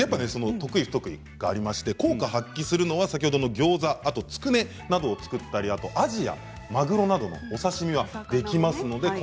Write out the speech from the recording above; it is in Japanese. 得意不得意があって効果を発揮するのはギョーザや、つくねなどを作ったりあじやマグロなどのお刺身も細かくすることができます。